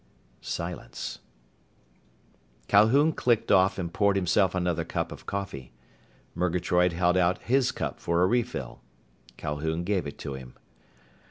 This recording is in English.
Silence. Calhoun clicked off and poured himself another cup of coffee. Murgatroyd held out his cup for a refill. Calhoun gave it to him.